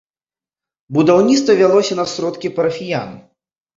Будаўніцтва вялося на сродкі парафіян.